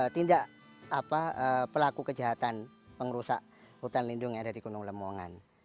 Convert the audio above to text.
tindak pelaku kejahatan pengrusak hutan lindung yang ada di gunung lemongan